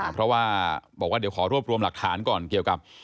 เพราะว่าบอกว่าเดี๋ยวขอรวบรวมหลักฐานก่อนเกี่ยวกับ